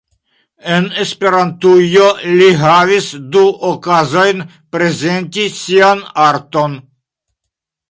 En Esperantujo li havis du okazojn prezenti sian arton.